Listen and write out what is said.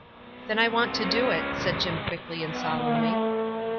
"Then I want to do it," said Jim, quickly and solemnly.